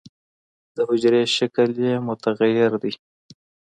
د حجرې شکل یې متغیر دی.